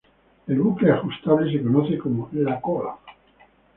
El bucle ajustable se conoce como la "cola".